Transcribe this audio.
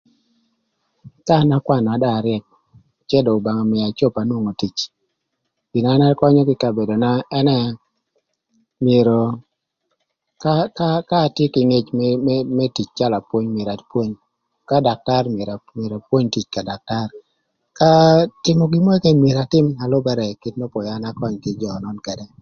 Ka an akwanö na dong aryëk cë dong Obanga ömïa acop na dong anwongo tic gin na an akönyö kï kabedona ënë myero ka atye kï ngec më tic calö apwony myero apwony, ka daktar myero apwony tic ka daktar, ka tïmö gin mörö këkën myero atïm na lübërë kit n'öpwöyö an aköny kï jö nön ködë.